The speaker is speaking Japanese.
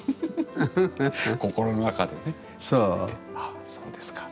あそうですか。